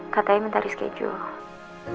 katanya minta reskejul